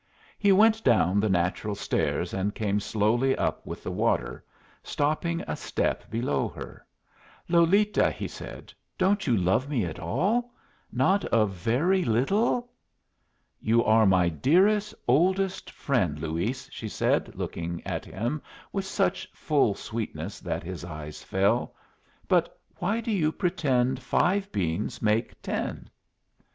He went down the natural stairs and came slowly up with the water, stopping a step below her. "Lolita," he said, "don't you love me at all? not a very little?" "You are my dearest, oldest friend, Luis," she said, looking at him with such full sweetness that his eyes fell. "But why do you pretend five beans make ten?"